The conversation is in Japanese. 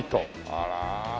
あら。